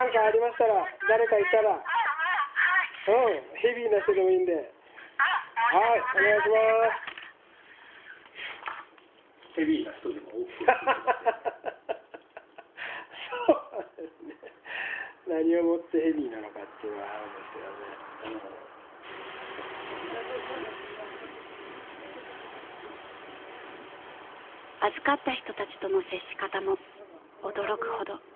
［預かった人たちとの接し方も驚くほどユニークでした］